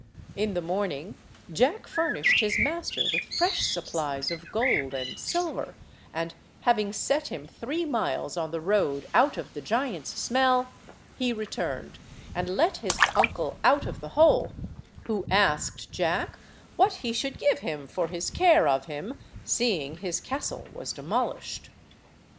In the morning Jack furnished his master with fresh supplies of gold and silver, and having set him three miles on the road out of the giant's smell, he returned and let his uncle out of the hole, who asked Jack what he should give him for his care of him, seeing his castle was demolished.